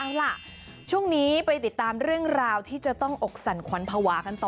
เอาล่ะช่วงนี้ไปติดตามเรื่องราวที่จะต้องอกสั่นขวัญภาวะกันต่อ